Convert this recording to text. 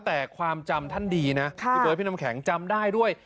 แต่ความจำท่านดีนะพี่เบิร์พี่น้ำแข็งจำได้ด้วย